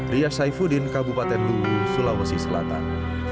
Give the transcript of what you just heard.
ria saifuddin kabupaten lungu sulawesi selatan